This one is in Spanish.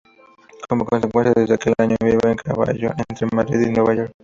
Como consecuencia, desde aquel año vive a caballo entre Madrid y Nueva York.